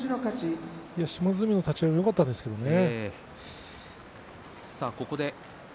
島津海の立ち合いもよかったですけどね。